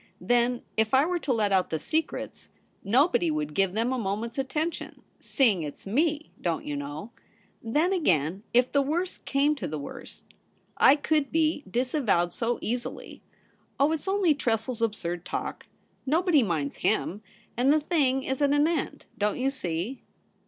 Then if I were to let out the secrets, nobody would 'ABOUT CHAMPION?' 149 give them a moment's attention — seeing it's me, don't you know ? Then again, if the worst came to the worst, I could be disavowed so easily. Oh, it's only Tressel's absurd talk — nobody minds ///;;/, and the thing is at an end, don't you see